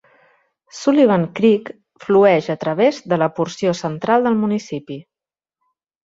Sullivan Creek flueix a través de la porció central del municipi.